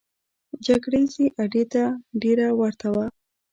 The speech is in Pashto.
جګړه ییزې اډې ته ډېره ورته وه.